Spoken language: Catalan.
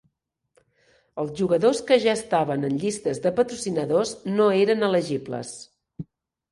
Els jugadors que ja estaven en llistes de patrocinadors no eren elegibles.